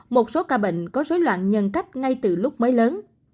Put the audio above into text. một số ca bệnh có dối loạn nhân cách ngay từ lúc mới lớn